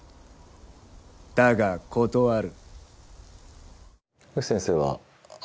だが断る。